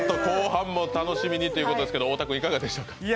後半も楽しみにということですけど、いかがですか。